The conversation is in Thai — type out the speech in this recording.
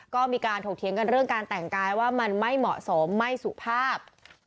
ก็มีการถกเถียงกันเรื่องการแต่งกายว่ามันไม่เหมาะสมไม่สุภาพ